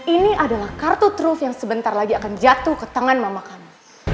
ini adalah kartu truf yang sebentar lagi akan jatuh ke tangan mama kami